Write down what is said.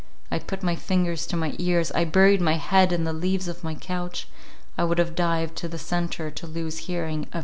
I put my fingers to my ears, I buried my head in the leaves of my couch, I would have dived to the centre to lose hearing of that hideous moan.